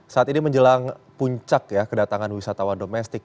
saat ini menjelang puncak ya kedatangan wisatawan domestik